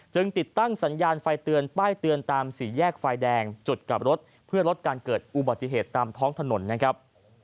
ติดตั้งสัญญาณไฟเตือนป้ายเตือนตามสี่แยกไฟแดงจุดกลับรถเพื่อลดการเกิดอุบัติเหตุตามท้องถนนนะครับ